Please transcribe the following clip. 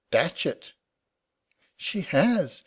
"Datchet!" "She has!